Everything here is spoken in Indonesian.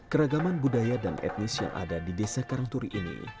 keragaman budaya dan etnis yang ada di desa karangturi ini